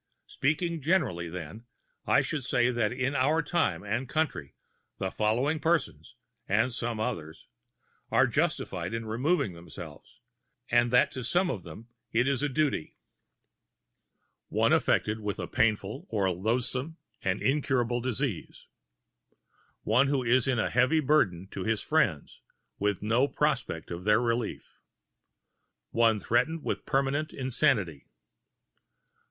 Speaking generally, then, I should say that in our time and country the following persons (and some others) are justified in removing themselves, and that to some of them it is a duty: One afflicted with a painful or loathsome and incurable disease. One who is a heavy burden to his friends, with no prospect of their relief. One threatened with permanent insanity.